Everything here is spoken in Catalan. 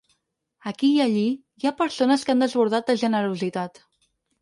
Aquí i allí, hi ha persones que han desbordat de generositat.